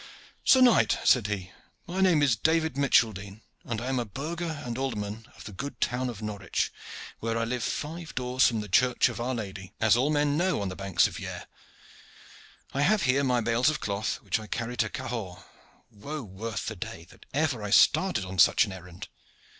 "Sir knight," said he, "my name is David Micheldene, and I am a burgher and alderman of the good town of Norwich, where I live five doors from the church of Our Lady, as all men know on the banks of Yare. I have here my bales of cloth which I carry to Cahors woe worth the day that ever I started on such an errand!